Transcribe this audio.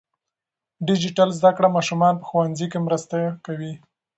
ډیجیټل زده کړه ماشومان په ښوونځي کې مرسته کوي.